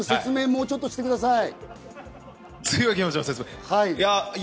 もうちょっとしてください。